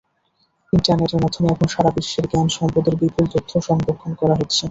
ইন্টারনেটের মাধ্যমে এখন সারা বিশ্বের জ্ঞান সম্পদের বিপুল তথ্য সংরক্ষণ করা হচ্ছে।